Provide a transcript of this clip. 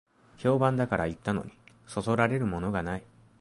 評判だから行ったのに、そそられるものがない